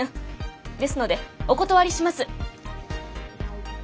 ですのでお断りします。